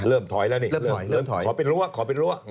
เริ่มถอยแล้วเนี่ยขอเป็นรั้ว